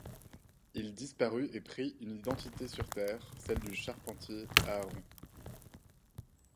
Il disparut et prit une identité sur Terre, celle du charpentier Aaron.